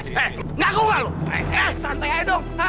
eh santai aja dong